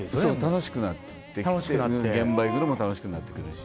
楽しくなってきて現場行くのも楽しくなってくるし。